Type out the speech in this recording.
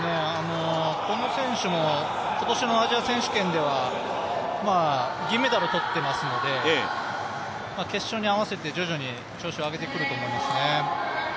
この選手も今年のアジア選手権では銀メダルを取っていますので決勝に合わせて徐々に調子を上げてくると思いますね。